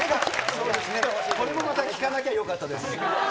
そうですね、これもまた聞かなきゃよかったです。